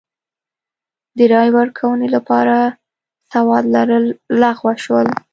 د رایې ورکونې لپاره سواد لرل لغوه شول.